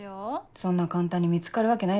そんな簡単に見つかるわけないでしょ。